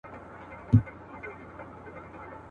لا خو دي ډکه ده لمن له مېړنو زامنو !.